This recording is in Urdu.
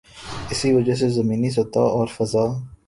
اسی وجہ سے زمینی سطح اور فضا